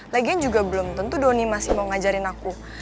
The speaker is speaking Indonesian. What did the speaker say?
lagian juga belum tentu doni masih mau ngajarin aku